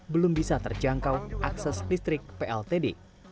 belum bisa terjangkau akses listrik pltd